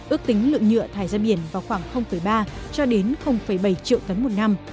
ước tính lượng nhựa thải ra biển vào khoảng ba cho đến bảy triệu tấn một năm